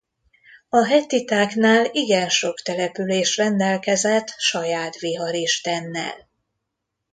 A hettitáknál igen sok település rendelkezett saját Viharistennel.